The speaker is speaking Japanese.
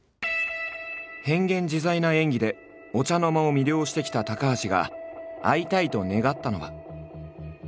変幻自在な演技でお茶の間を魅了してきた高橋が会いたいと願ったのは。